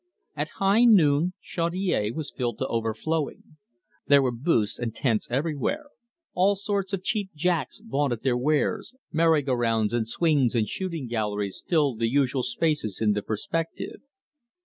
At high noon Chaudiere was filled to overflowing. There were booths and tents everywhere all sorts of cheap jacks vaunted their wares, merry go rounds and swings and shooting galleries filled the usual spaces in the perspective.